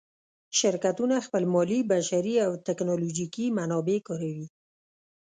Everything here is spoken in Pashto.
شرکتونه خپل مالي، بشري او تکنالوجیکي منابع کاروي.